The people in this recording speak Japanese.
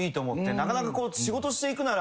なかなかこう仕事していくなら。